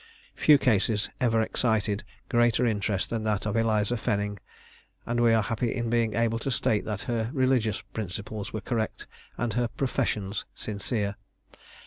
Few cases ever excited greater interest than that of Eliza Fenning; and we are happy in being able to state that her religious principles were correct, and her professions sincere.